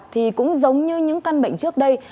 thì cũng giống như những căn bệnh trước đây